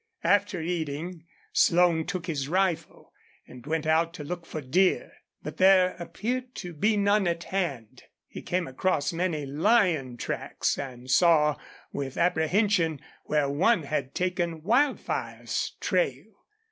After eating, Slone took his rifle and went out to look for deer. But there appeared to be none at hand. He came across many lion tracks and saw, with apprehension, where one had taken Wildfire's trail.